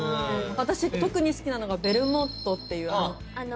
私特に好きなのがベルモットっていう。